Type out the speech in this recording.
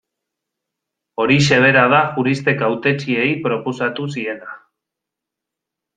Horixe bera da juristek hautetsiei proposatu ziena.